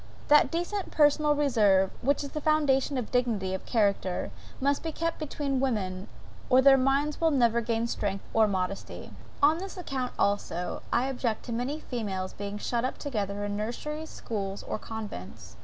That decent personal reserve, which is the foundation of dignity of character, must be kept up between women, or their minds will never gain strength or modesty. On this account also, I object to many females being shut up together in nurseries, schools, or convents.